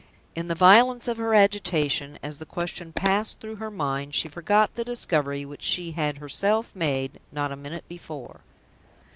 In the violence of her agitation, as the question passed through her mind, she forgot the discovery which she had herself made not a minute before.